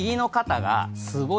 すごい。